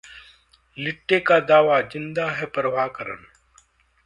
लिट्टे का दावा, जिंदा है प्रभाकरण